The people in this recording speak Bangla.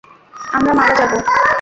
আমরা মারা যাবো।